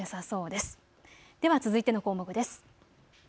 では続いての項目です。